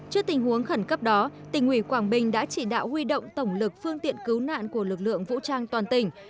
trước tình huống khẩn cấp đó tỉnh ủy quảng bình đã chỉ đạo huy động tổng lực phương tiện cứu nạn của lực lượng vũ trang toàn tỉnh